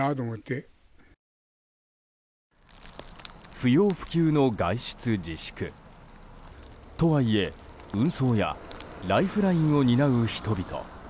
不要不急の外出自粛。とはいえ運送やライフラインを担う人々。